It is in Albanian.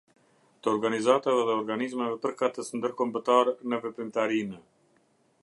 Të organizatave dhe organizmave përkatës ndërkombëtar në veprimtarinë.